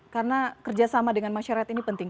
karena kerjasama dengan masyarakat ini penting